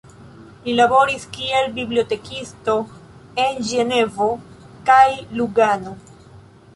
Li laboris kiel bibliotekisto en Ĝenevo kaj Lugano.